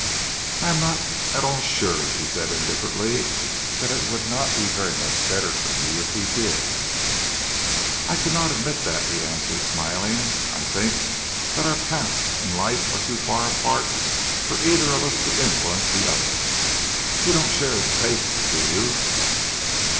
"I am not at all sure," she said indifferently, "that it would not be very much better for you if he did." "I cannot admit that," he answered, smiling. "I think that our paths in life are too far apart for either of us to influence the other. You don't share his tastes, do you?"